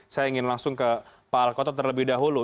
saya ingin langsung ke pak alkotot terlebih dahulu